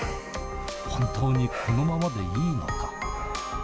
本当にこのままでいいのか？」